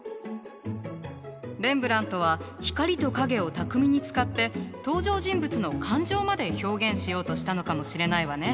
レンブラントは光と影を巧みに使って登場人物の感情まで表現しようとしたのかもしれないわね。